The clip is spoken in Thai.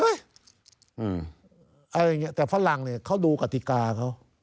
อะไรอย่างนี้แต่ฝรั่งเนี่ยเขาดูกติกาเขา